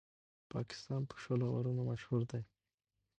پاکستان په شلو اورونو مشهور دئ.